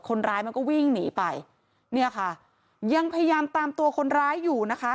คนร้ายมันก็วิ่งหนีไปเนี่ยค่ะยังพยายามตามตัวคนร้ายอยู่นะคะ